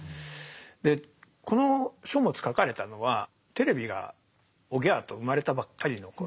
でこの書物書かれたのはテレビがおぎゃあと生まれたばっかりの頃なんですね。